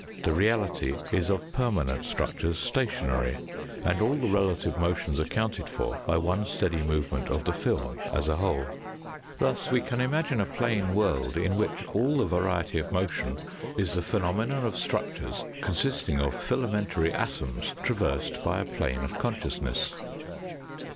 The reality is of permanent structures stationary, and all the relative motions accounted for by one steady movement of the film as a whole. 26 THE FOURTH DIMENSION Thus we can imagine a plane world, in which all the variety of motion is the phenomenon of structures con sisting of filamentary atoms traversed by a plane of consciousness.